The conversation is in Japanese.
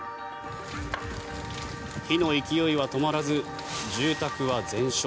火の勢いは止まらず住宅は全焼。